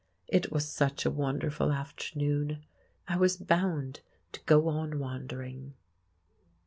It was such a wonderful afternoon: I was bound to go on wandering.